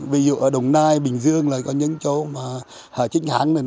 ví dụ ở đồng nai bình dương là có những chỗ mà họ chính kháng để đi làm